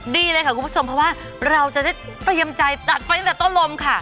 ดีเลยค่ะคุณผู้ชมเพราะว่าเราจะได้เตรียมใจจัดไปตั้งแต่ต้นลมค่ะ